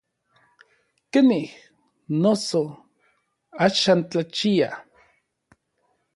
¿Kenij, noso, n axan tlachia?